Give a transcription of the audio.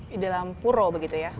di dalam pura begitu ya